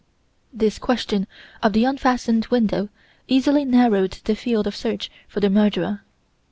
This question of the unfastened window easily narrowed the field of search for the murderer.